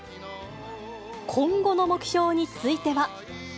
今後の目標については。